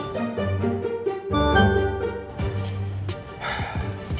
ini beneran enak gak sih